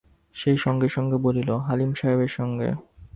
সে সঙ্গে-সঙ্গে বলল, হালিম সাহেবের সঙ্গে।